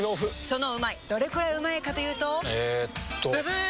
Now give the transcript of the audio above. そのうまいどれくらいうまいかというとえっとブブー！